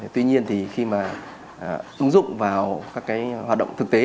tuy nhiên thì khi mà ứng dụng vào các cái hoạt động thực tế